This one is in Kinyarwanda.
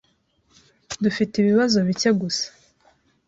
Dufite ibibazo bike gusa.